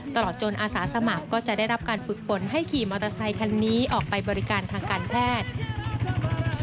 ตลอดจนอาสาสมัครก็จะได้รับการฝึกฝนให้ขี่มอเตอร์ไซคันนี้ออกไปบริการทางการแพทย์